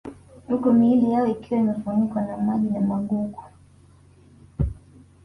Huku miili yao ikiwa imefunikwa na maji na magugu